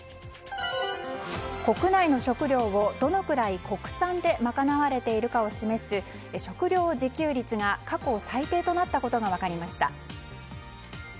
国内の食料をどのくらい国産で賄われているかを示す食料自給率が過去最低となったことが分かりました。